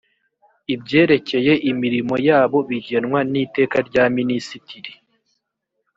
ibyerekeye imirimo yabo bigenwa n’iteka rya minisitiri